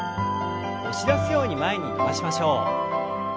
押し出すように前に伸ばしましょう。